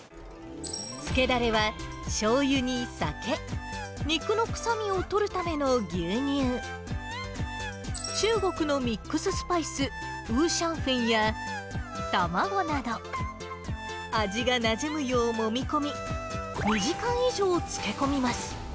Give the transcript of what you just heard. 漬けだれは、しょうゆに酒、肉の臭みを取るための牛乳、中国のミックススパイス、ウーシャンフェンや卵など、味がなじむようもみ込み、２時間以上漬け込みます。